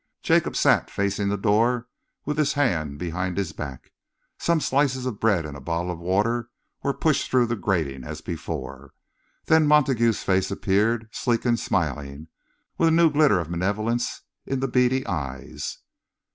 Jacob sat facing the door with his hand behind his back. Some slices of bread and a bottle of water were pushed through the grating, as before. Then Montague's face appeared, sleek and smiling, with a new glitter of malevolence in the beady eyes.